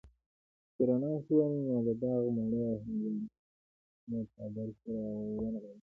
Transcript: چې رڼا شوه نو د باغ مڼې او هندواڼې مو څادر کي را ونغاړلې